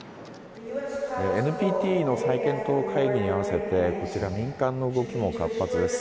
ＮＰＴの再検討会議に合わせて民間の動きも活発です。